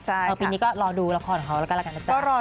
พอปีนี้ก็รอดูละครเขาแล้วกันนะจ๊ะ